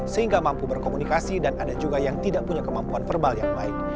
sehingga mampu berkomunikasi dan ada juga yang tidak punya kemampuan verbal yang baik